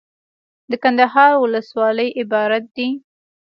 دکندهار ولسوالۍ عبارت دي.